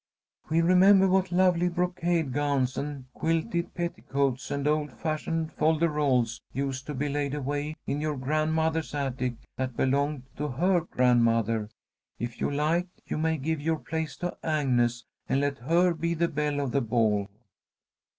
We remember what lovely brocade gowns and quilted petticoats and old fashioned fol de rols used to be laid away in your grandmother's attic that belonged to her grandmother. If you like, you may give your place to Agnes, and let her be the belle of the ball."